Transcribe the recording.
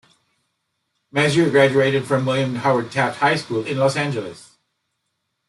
Mazur graduated from William Howard Taft High School in Los Angeles.